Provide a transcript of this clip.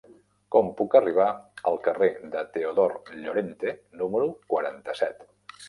Com puc arribar al carrer de Teodor Llorente número quaranta-set?